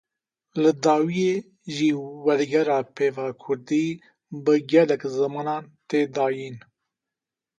Li dawîyê jî wergera peyva kurdî bi gelek zimanan tê dayîn.